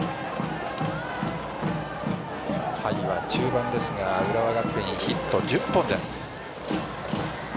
回は中盤ですが浦和学院、ヒット１０本です。